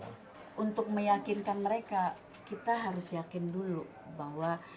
tapi untuk meyakinkan mereka kita harus yakin dulu bahwa